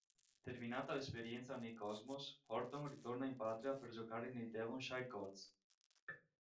Terminata l'esperienza nei "Cosmos", Horton ritorna in patria per giocare nei Devonshire Colts.